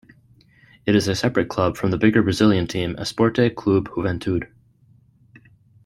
It is a separate club from the bigger Brazilian team Esporte Clube Juventude.